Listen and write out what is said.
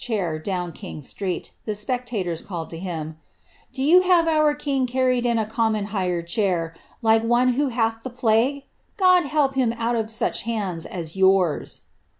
chair down King street, the spectatoni called to him, ^ Do you hare on king carried in a common hired chair, like one who hath the plague God help him out of such hands as yours